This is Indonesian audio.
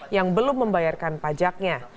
yang belum membayarkan pajaknya